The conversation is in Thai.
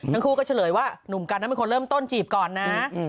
ทั้งคู่ก็เฉลยว่าหนุ่มกันนั้นเป็นคนเริ่มต้นจีบก่อนนะ